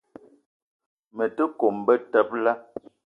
Me te kome betebela.